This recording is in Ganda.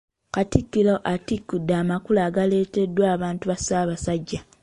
Katikkiro atikudde amakula agaaleeteddwa abantu ba Ssaabasajja.